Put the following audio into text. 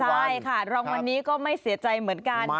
ใช่ค่ะรางวัลนี้ก็ไม่เสียใจเหมือนกัน